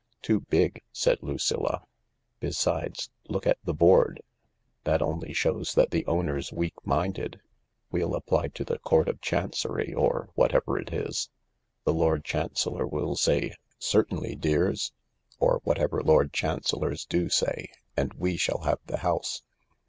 "Too big," said Lucilla. " Besides, look at the board/' " That only shows that the owner's weak minded. We'll apply to the Court of Chancery, or whatever it is. The Lord Chancellor will say, 'Certainly, dears,' or whatever Lord Chancellors do say. And we shall have the house."